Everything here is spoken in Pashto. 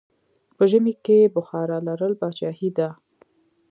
په ژمی کې بخارا لرل پادشاهي ده.